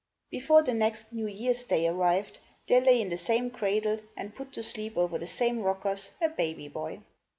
Before the next New Year's day arrived, there lay in the same cradle, and put to sleep over the same rockers, a baby boy.